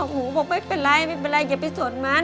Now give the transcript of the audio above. หูบอกไม่เป็นไรไม่เป็นไรอย่าไปสนมัน